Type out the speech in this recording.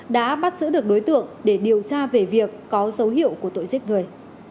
đã bắt giữ được đối tượng để điều tra về việc có dấu hiệu của tội giết người